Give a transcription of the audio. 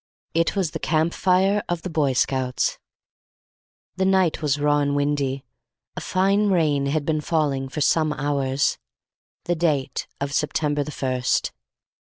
It was the camp fire of the Boy Scouts. The night was raw and windy. A fine rain had been falling for some hours. The date of September the First.